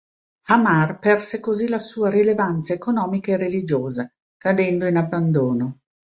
Hamar perse così la sua rilevanza economica e religiosa, cadendo in abbandono.